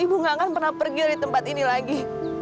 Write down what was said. ibu gak akan pernah pergi di tempat ini lagi